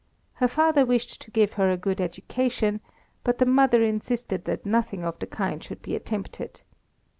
Her father wished to give her a good education, but the mother insisted that nothing of the kind should be attempted.